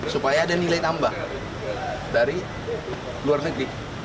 supaya ada nilai tambah dari luar negeri